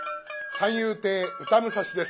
三遊亭歌武蔵です。